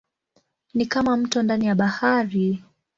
Ni kama mto ndani ya bahari.